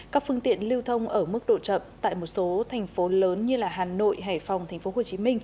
các phương tiện lưu thông ở mức độ chậm tại một số thành phố lớn như hà nội hải phòng tp hcm